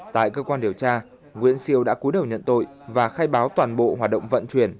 tại cơ quan điều tra nguyễn siêu đã cúi đầu nhận tội và khai báo toàn bộ hoạt động vận chuyển